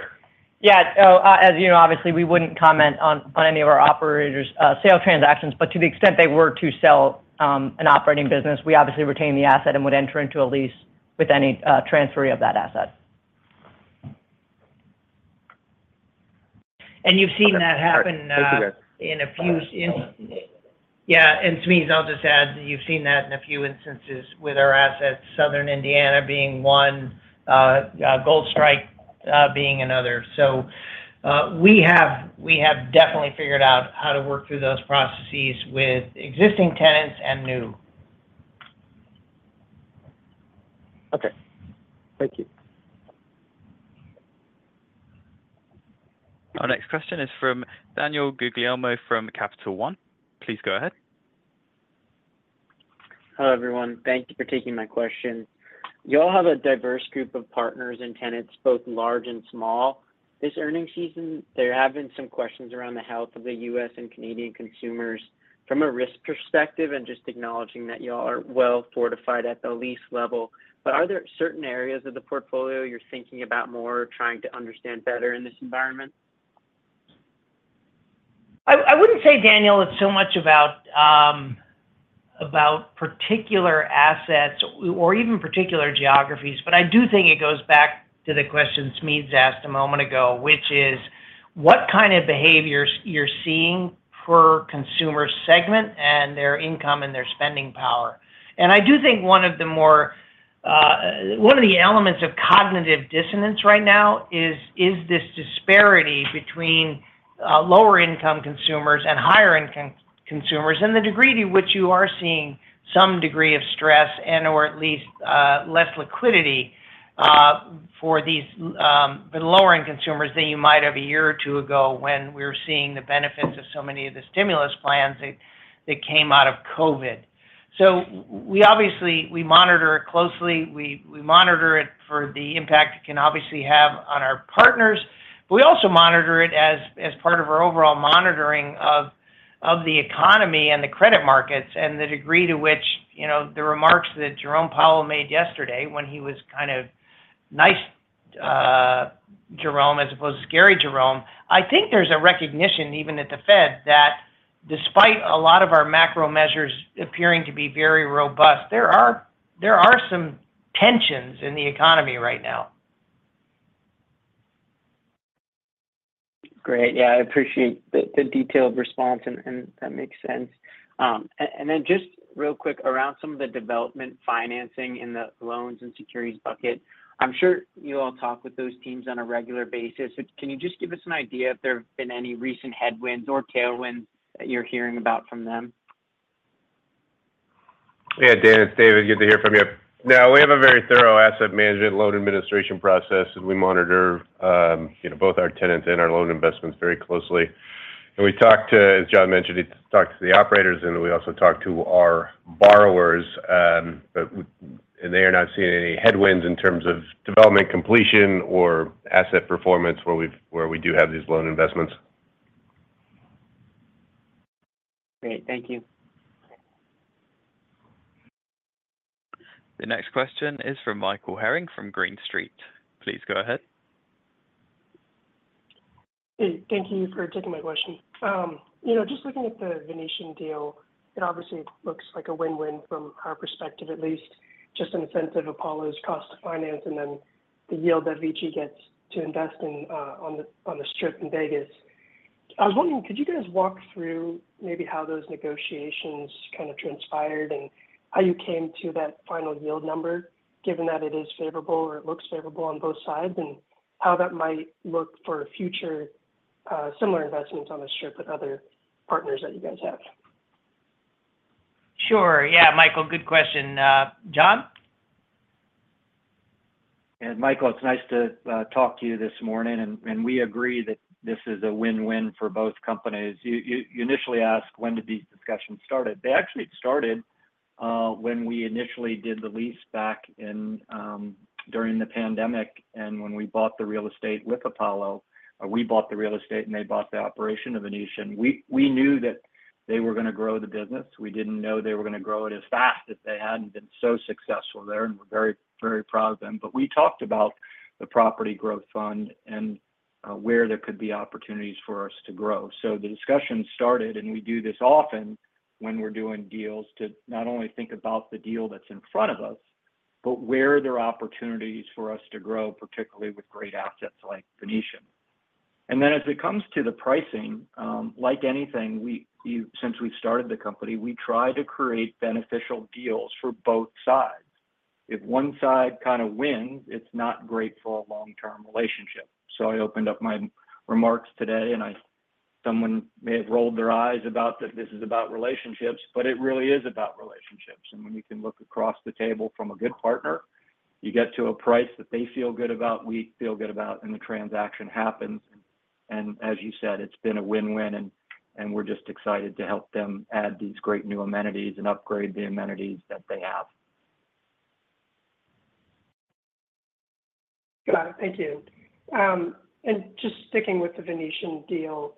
Yeah, as you know, obviously, we wouldn't comment on any of our operators' sale transactions, but to the extent they were to sell an operating business, we obviously retain the asset and would enter into a lease with any transferee of that asset. Okay. You've seen that happen. Thank you, guys.... in a few. Yeah, and Smedes, I'll just add, you've seen that in a few instances with our assets, Southern Indiana being one, Gold Strike being another. So, we have definitely figured out how to work through those processes with existing tenants and new. Okay. Thank you. Our next question is from Daniel Guglielmo, from Capital One. Please go ahead. Hello, everyone. Thank you for taking my question. You all have a diverse group of partners and tenants, both large and small. This earnings season, there have been some questions around the health of the U.S. and Canadian consumers from a risk perspective, and just acknowledging that you all are well fortified at the lease level. But are there certain areas of the portfolio you're thinking about more, trying to understand better in this environment? I wouldn't say, Daniel, it's so much about particular assets or even particular geographies, but I do think it goes back to the question Smedes asked a moment ago, which is: What kind of behaviors you're seeing per consumer segment and their income and their spending power? And I do think one of the elements of cognitive dissonance right now is this disparity between lower-income consumers and higher-income consumers, and the degree to which you are seeing some degree of stress and/or at least less liquidity for these the lower-income consumers than you might have a year or two ago when we were seeing the benefits of so many of the stimulus plans that came out of COVID. So we obviously monitor it closely. We monitor it for the impact it can obviously have on our partners. But we also monitor it as part of our overall monitoring of the economy and the credit markets, and the degree to which, you know, the remarks that Jerome Powell made yesterday when he was kind of nice, Jerome, as opposed to scary Jerome. I think there's a recognition, even at the Fed, that despite a lot of our macro measures appearing to be very robust, there are some tensions in the economy right now. Great. Yeah, I appreciate the detailed response, and that makes sense. And then just real quick, around some of the development financing in the loans and securities bucket. I'm sure you all talk with those teams on a regular basis. So can you just give us an idea if there have been any recent headwinds or tailwinds that you're hearing about from them? Yeah, Dan, it's David. Good to hear from you. Now, we have a very thorough asset management loan administration process, and we monitor, you know, both our tenants and our loan investments very closely. And we talk to. As John mentioned, we talk to the operators, and we also talk to our borrowers, but and they are not seeing any headwinds in terms of development completion or asset performance where we do have these loan investments. Great. Thank you. The next question is from Michael Herring from Green Street. Please go ahead. Hey, thank you for taking my question. You know, just looking at the Venetian deal, it obviously looks like a win-win from our perspective, at least just in the sense of Apollo's cost to finance and then the yield that VICI gets to invest in, on the Strip in Vegas. I was wondering, could you guys walk through maybe how those negotiations kind of transpired, and how you came to that final yield number, given that it is favorable or it looks favorable on both sides, and how that might look for future similar investments on the Strip with other partners that you guys have? Sure. Yeah, Michael, good question. John? And Michael, it's nice to talk to you this morning, and we agree that this is a win-win for both companies. You initially asked, when did these discussions started? They actually started, when we initially did the lease back in, during the pandemic and when we bought the real estate with Apollo. We bought the real estate, and they bought the operation of Venetian. We knew that they were gonna grow the business. We didn't know they were gonna grow it as fast as they had and been so successful there, and we're very, very proud of them. But we talked about the Property Growth Fund and where there could be opportunities for us to grow. So the discussion started, and we do this often when we're doing deals, to not only think about the deal that's in front of us, but where there are opportunities for us to grow, particularly with great assets like Venetian. And then as it comes to the pricing, like anything, we since we started the company, we try to create beneficial deals for both sides. If one side kinda wins, it's not great for a long-term relationship. So I opened up my remarks today, and someone may have rolled their eyes about that. This is about relationships, but it really is about relationships. And when you can look across the table from a good partner, you get to a price that they feel good about, we feel good about, and the transaction happens. As you said, it's been a win-win, and we're just excited to help them add these great new amenities and upgrade the amenities that they have. Got it. Thank you. And just sticking with the Venetian deal,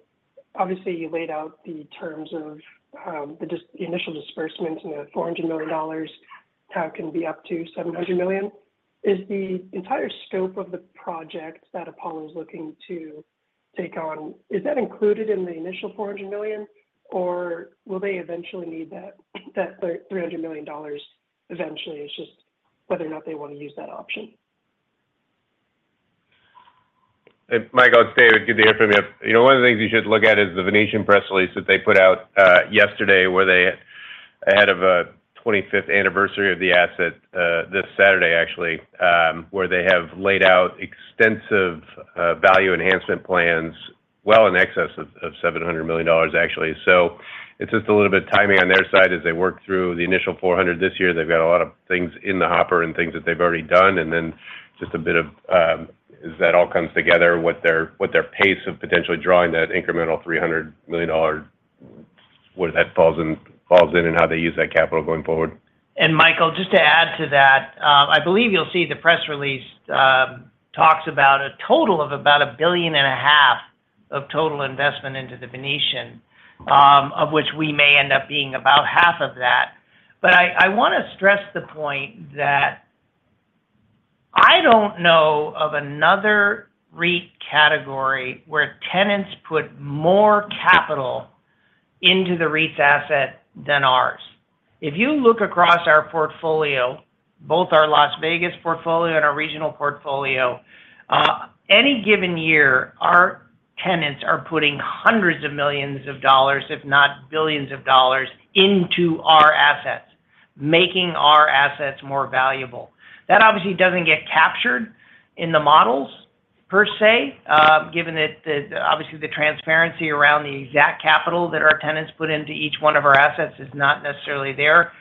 obviously, you laid out the terms of the initial disbursement and the $400 million, how it can be up to $700 million. Is the entire scope of the project that Apollo is looking to take on, is that included in the initial $400 million, or will they eventually need that $300 million eventually? It's just whether or not they want to use that option. And Michael, it's David. Good to hear from you. You know, one of the things you should look at is the Venetian press release that they put out yesterday, where they, ahead of a 25th anniversary of the asset, this Saturday, actually, where they have laid out extensive value enhancement plans, well in excess of $700 million, actually. So it's just a little bit timing on their side as they work through the initial $400 this year. They've got a lot of things in the hopper and things that they've already done. And then just a bit of, as that all comes together, what their pace of potentially drawing that incremental $300 million dollar, where that falls in, falls in, and how they use that capital going forward. And Michael, just to add to that, I believe you'll see the press release talks about a total of about $1.5 billion of total investment into the Venetian, of which we may end up being about half of that. But I wanna stress the point that I don't know of another REIT category where tenants put more capital into the REIT's asset than ours. If you look across our portfolio, both our Las Vegas portfolio and our regional portfolio, any given year, our tenants are putting hundreds of millions, if not billions, into our assets, making our assets more valuable. That obviously doesn't get captured in the models per se, given that, obviously, the transparency around the exact capital that our tenants put into each one of our assets is not necessarily there.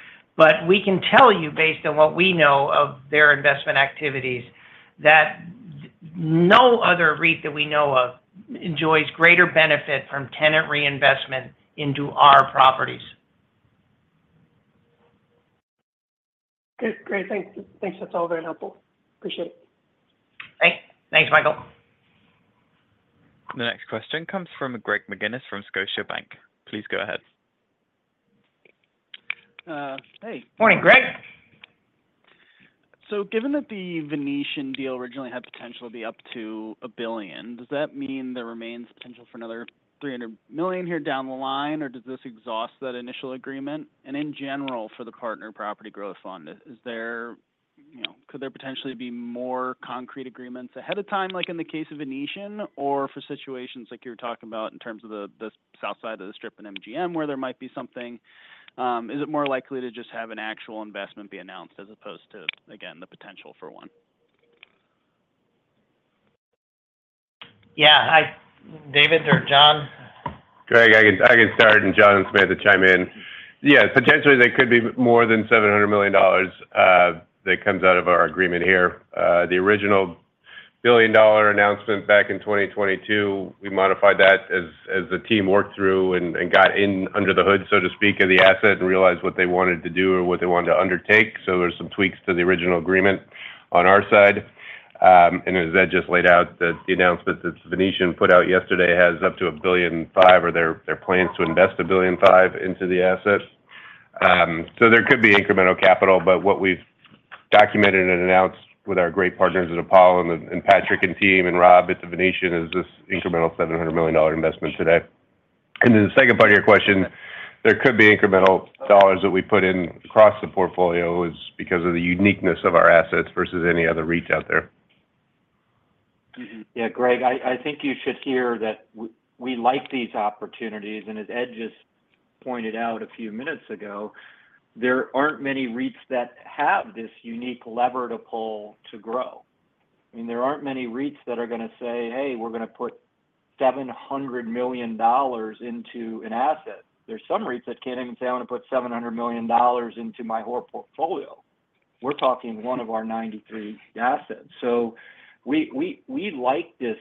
We can tell you, based on what we know of their investment activities, that no other REIT that we know of enjoys greater benefit from tenant reinvestment into our properties. Good. Great, thanks. Thanks. That's all very helpful. Appreciate it. Thanks. Thanks, Michael. The next question comes from Greg McGinniss from Scotiabank. Please go ahead. Uh, hey. Morning, Greg. So given that the Venetian deal originally had potential to be up to $1 billion, does that mean there remains potential for another $300 million here down the line, or does this exhaust that initial agreement? And in general, for the Partner Property Growth Fund, is there, you know, could there potentially be more concrete agreements ahead of time, like in the case of Venetian, or for situations like you're talking about in terms of the south side of the Strip in MGM, where there might be something, is it more likely to just have an actual investment be announced as opposed to, again, the potential for one? Yeah. Hi, David or John. Greg, I can, I can start, and John may chime in. Yeah, potentially, there could be more than $700 million that comes out of our agreement here. The original billion-dollar announcement back in 2022, we modified that as the team worked through and got in under the hood, so to speak, of the asset and realized what they wanted to do or what they wanted to undertake. So there were some tweaks to the original agreement on our side. And as Ed just laid out, the announcement that Venetian put out yesterday has up to $1.5 billion, or their plans to invest $1.5 billion into the asset. So there could be incremental capital, but what we've documented and announced with our great partners at Apollo and Patrick and team, and Rob at the Venetian, is this incremental $700 million investment today. And then the second part of your question, there could be incremental dollars that we put in across the portfolio is because of the uniqueness of our assets versus any other REIT out there. Mm-hmm. Yeah, Greg, I think you should hear that we like these opportunities, and as Ed just pointed out a few minutes ago, there aren't many REITs that have this unique lever to pull to grow. I mean, there aren't many REITs that are gonna say, "Hey, we're gonna put $700 million into an asset." There are some REITs that can't even say, "I'm gonna put $700 million into my whole portfolio." We're talking one of our 93 assets. So we like this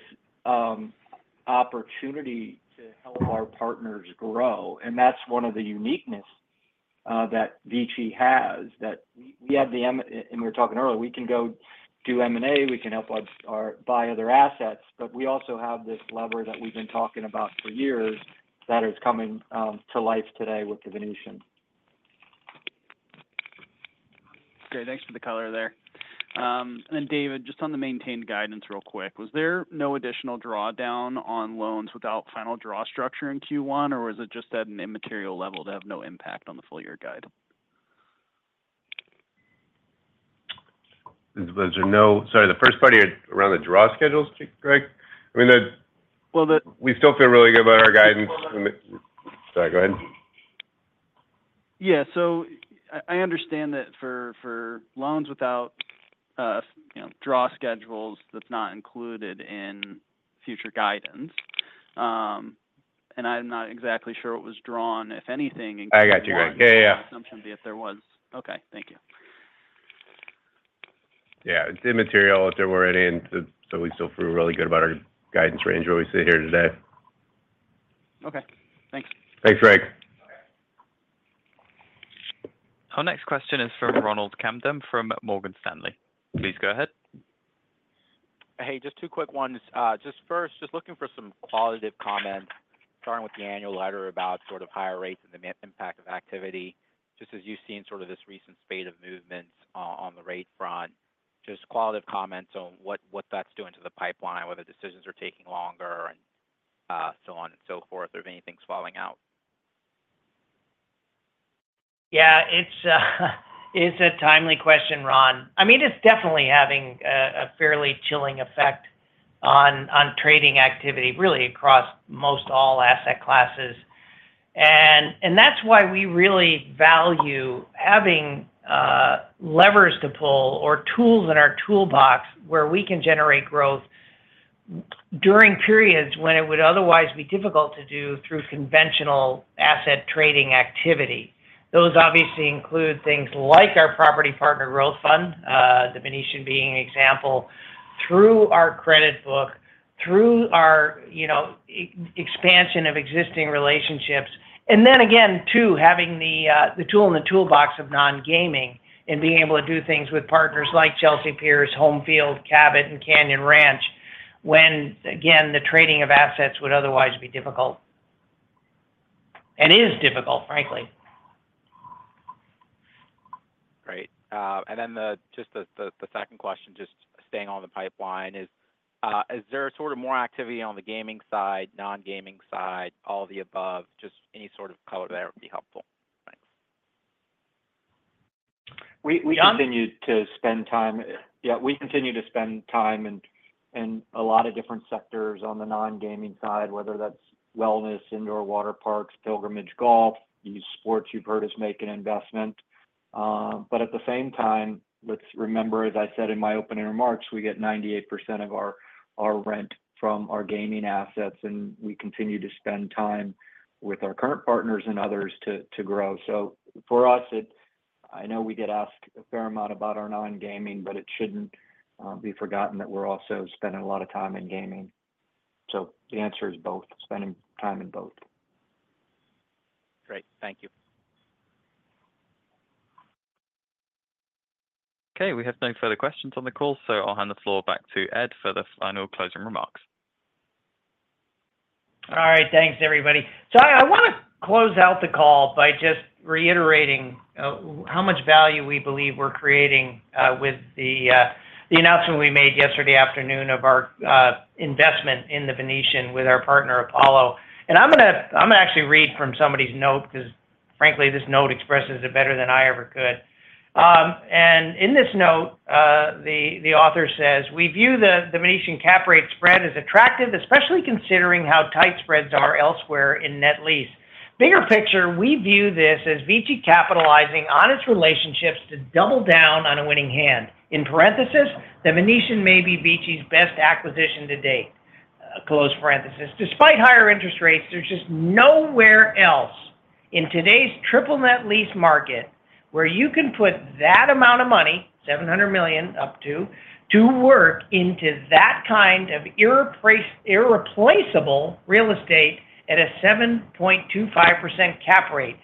opportunity to help our partners grow, and that's one of the uniqueness that VICI has, that we have the and we were talking earlier, we can go do M&A, we can help us, or buy other assets, but we also have this lever that we've been talking about for years that is coming to life today with the Venetian. Great, thanks for the color there. And then, David, just on the maintained guidance real quick, was there no additional drawdown on loans without final draw structure in Q1, or was it just at an immaterial level to have no impact on the full year guide? Sorry, the first part around the draw schedules, Greg? I mean, the- Well, the- We still feel really good about our guidance. Sorry, go ahead. Yeah, so I understand that for loans without, you know, draw schedules, that's not included in future guidance, and I'm not exactly sure what was drawn, if anything, in- I got you, Greg. Yeah, yeah. Assumption being, if there was. Okay, thank you. Yeah, it's immaterial if there were any, and so, so we still feel really good about our guidance range where we sit here today. Okay, thanks. Thanks, Greg. Our next question is from Ronald Kamdem from Morgan Stanley. Please go ahead. Hey, just two quick ones. Just first, just looking for some qualitative comments, starting with the annual letter about sort of higher rates and the impact of activity. Just as you've seen sort of this recent spate of movements on the rate front, just qualitative comments on what, what that's doing to the pipeline, whether decisions are taking longer and so on and so forth, if anything's falling out. Yeah, it's a timely question, Ron. I mean, it's definitely having a fairly chilling effect on trading activity, really across most all asset classes. And that's why we really value having levers to pull or tools in our toolbox, where we can generate growth during periods when it would otherwise be difficult to do through conventional asset trading activity. Those obviously include things like our Partner Property Growth Fund, the Venetian being an example, through our credit book, through our, you know, expansion of existing relationships. And then again, too, having the tool in the toolbox of non-gaming and being able to do things with partners like Chelsea Piers, Homefield, Cabot, and Canyon Ranch, when, again, the trading of assets would otherwise be difficult. And is difficult, frankly. Great. And then just the second question, just staying on the pipeline is, is there sort of more activity on the gaming side, non-gaming side, all the above? Just any sort of color there would be helpful. Thanks. We- John? We continue to spend time... Yeah, we continue to spend time in a lot of different sectors on the non-gaming side, whether that's wellness, indoor water parks, pilgrimage golf, esports. You've heard us make an investment. But at the same time, let's remember, as I said in my opening remarks, we get 98% of our rent from our gaming assets, and we continue to spend time with our current partners and others to grow. So for us, it's-... I know we get asked a fair amount about our non-gaming, but it shouldn't be forgotten that we're also spending a lot of time in gaming. So the answer is both, spending time in both. Great. Thank you. Okay, we have no further questions on the call, so I'll hand the floor back to Ed for the final closing remarks. All right. Thanks, everybody. So I wanna close out the call by just reiterating how much value we believe we're creating with the announcement we made yesterday afternoon of our investment in The Venetian with our partner, Apollo. And I'm gonna, I'm gonna actually read from somebody's note, 'cause frankly, this note expresses it better than I ever could. And in this note, the author says, "We view the Venetian cap rate spread as attractive, especially considering how tight spreads are elsewhere in net lease. Bigger picture, we view this as VICI capitalizing on its relationships to double down on a winning hand. (The Venetian may be VICI's best acquisition to date.) Despite higher interest rates, there's just nowhere else in today's triple net lease market where you can put that amount of money, $700 million up to work into that kind of irreplaceable real estate at a 7.25% cap rate.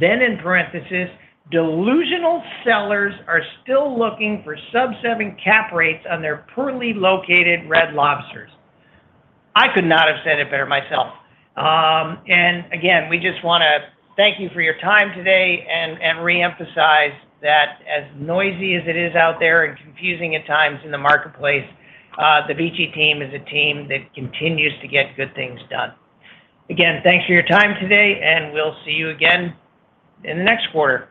Then in parenthesis, delusional sellers are still looking for sub-7% cap rates on their poorly located Red Lobsters. I could not have said it better myself. And again, we just wanna thank you for your time today and reemphasize that as noisy as it is out there and confusing at times in the marketplace, the VICI team is a team that continues to get good things done. Again, thanks for your time today, and we'll see you again in the next quarter.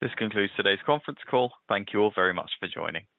This concludes today's conference call. Thank you all very much for joining.